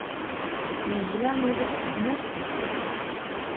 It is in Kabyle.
Yegla ula s tezmert-is